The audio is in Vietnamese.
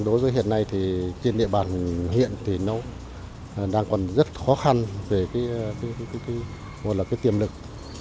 đối với hiện nay thì trên địa bàn hiện thì nó đang còn rất khó khăn về cái tiềm lực